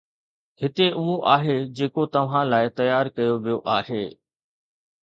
هتي اهو آهي جيڪو توهان لاء تيار ڪيو ويو آهي